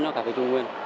cho cà phê trung nguyên